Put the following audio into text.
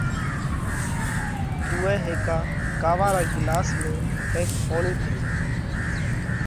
اُوئہ هيڪا ڪاوا را ڳِلاس ۾ ڪينڪ پوڻِي ڀريو۔